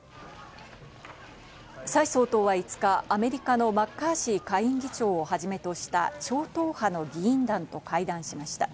サイ総統は５日、アメリカのマッカーシー下院議長をはじめとした超党派の議員団と会談しました。